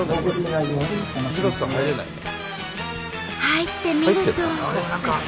入ってみると。